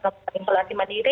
jangan mengintelaksi mandiri